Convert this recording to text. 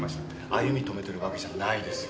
歩み止めてるわけじゃないですよ。